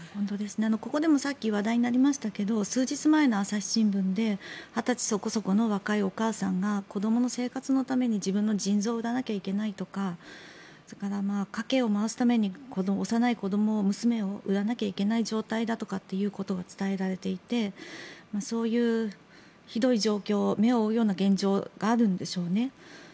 ここでもさっき話題になりましたけど数日前の朝日新聞で２０歳そこそこの若いお母さんが子どもの生活のために自分の腎臓を売らないといけないとか家計を回すために幼い子ども、娘を売らなきゃいけない状態だとかいうことが伝えられていてそういうひどい状況目を覆うような現状があるんでしょうね。